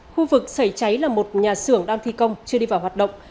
khu vực xảy cháy là một nhà xưởng đang thi công chưa đi vào hoạt động